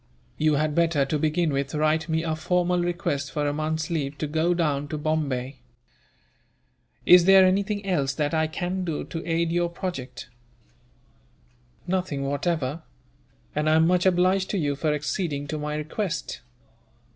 You had better, to begin with, write me a formal request for a month's leave to go down to Bombay. Is there anything else that I can do, to aid your project?" "Nothing, whatever; and I am much obliged to you for acceding to my request.